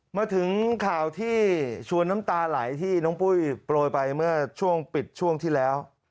มาถึงข่าวที่ชวนน้ำตาไหลที่น้องปุ้ยโปรยไปเมื่อช่วงปิดช่วงที่แล้ว